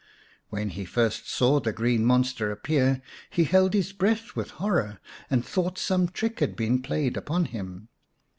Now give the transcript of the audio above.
When he first saw the green monster appear he held his breath with horror, and thought some trick had been played upon him.